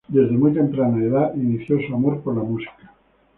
Desde muy temprana edad inició su amor por la música.